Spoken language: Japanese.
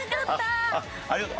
あっありがとう。